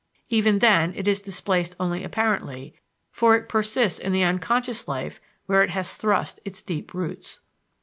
Even then it is displaced only apparently, for it persists in the unconscious life where it has thrust its deep roots.